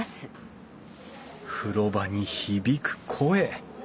風呂場に響く声。